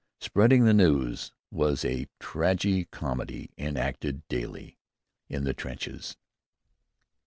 "Spreading the News" was a tragi comedy enacted daily in the trenches.